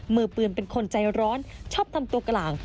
มือปืนเป็นคนใจร้อนชอบทำตัวกลาง